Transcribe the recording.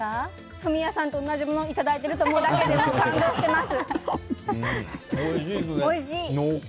フミヤさんと同じものいただいてると思うだけでもう感動してます。